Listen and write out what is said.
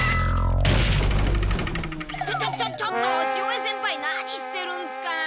ちょちょちょちょっと潮江先輩何してるんすか！